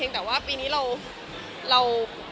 แต่ว่าปีนี้เรา